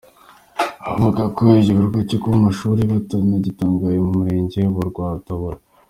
Avuga ko igikorwa cyo kubaka amashuri banagitangiye mu murenge wa Rwarutabura.